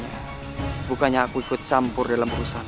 jangan ikut campur urusan kong